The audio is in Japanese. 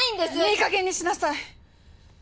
いいかげんにしなさい！